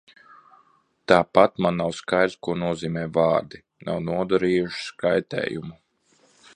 "Tāpat man nav skaidrs, ko nozīmē vārdi "nav nodarījušas kaitējumu"."